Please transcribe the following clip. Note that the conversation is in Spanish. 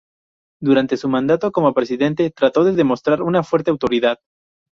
Durante su mandato como presidente trató de demostrar una fuerte autoridad.